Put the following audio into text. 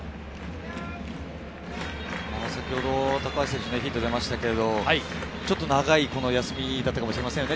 先ほど高橋選手、ヒットも出ましたけど、ちょっと長い休みだったかもしれませんね。